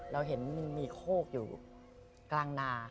เราเห็นมีโคกอยู่กลางนา